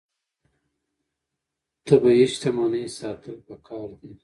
طبیعي شتمنۍ ساتل پکار دي.